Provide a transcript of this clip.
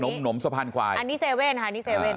หนมหนมสะพานควายอันนี้เซเว่นฮะอันนี้เซเว่น